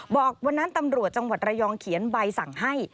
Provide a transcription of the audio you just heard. บอกวันนั้นตำรวจจังหวัดระยองเขียนใบสั่งให้